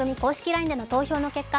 ＬＩＮＥでの投票の結果